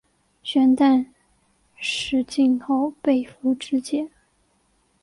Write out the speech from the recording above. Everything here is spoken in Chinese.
弦断矢尽后被俘支解。